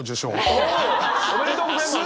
おめでとうございます！